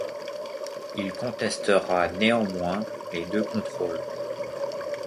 Il contestera néanmoins les deux contrôles.